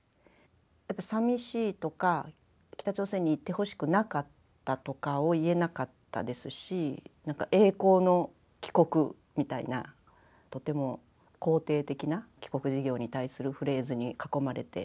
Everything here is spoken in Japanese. やっぱさみしいとか北朝鮮に行ってほしくなかったとかを言えなかったですしなんか栄光の帰国みたいなとても肯定的な帰国事業に対するフレーズに囲まれて育ったので。